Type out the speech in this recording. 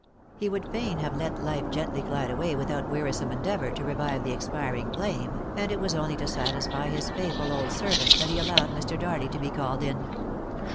He would fain have let life gently glide away without wearisome endeavour to revive the expiring flame, and it was only to satisfy his faithful old servant that he allowed Mr. Darley to be called in.